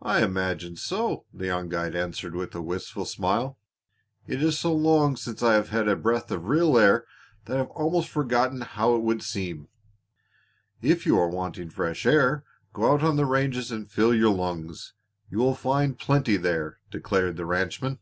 "I imagine so," the young guide answered with a wistful smile. "It is so long since I have had a breath of real air that I have almost forgotten how it would seem." "If you are wanting fresh air go out on the ranges and fill your lungs. You will find plenty there," declared the ranchman.